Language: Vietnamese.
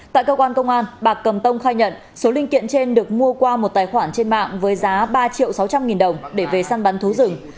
tại cơ quan công an bạc cầm tông khai nhận số linh kiện trên được mua qua một tài khoản trên mạng với giá ba triệu sáu trăm linh nghìn đồng để về săn bắn thú rừng